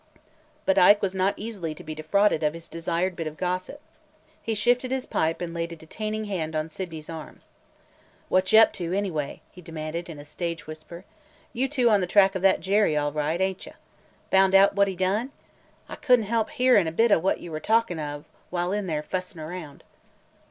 But Ike was not easily to be defrauded of his desired bit of gossip. He shifted his pipe and laid a detaining hand on Sydney's arm. "What you up to, anyway?" he demanded in a stage whisper. "You two on the track of that Jerry, all right, ain't you? Found out what he done? I could n't help hearin' a bit o' what you were talkin' of while in there fussin' around."